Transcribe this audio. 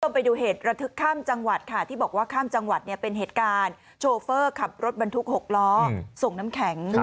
ไปดูเหตุระทึกข้ามจังหวัดค่ะที่บอกว่าข้ามจังหวัดเนี่ยเป็นเหตุการณ์โชเฟอร์ขับรถบรรทุก๖ล้อส่งน้ำแข็ง